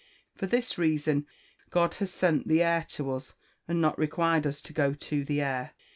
For this reason, God has sent the air to us, and not required us to go to the air.